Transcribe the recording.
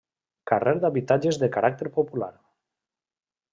Carrer d'habitatges de caràcter popular.